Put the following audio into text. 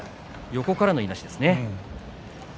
横からのいなしですね。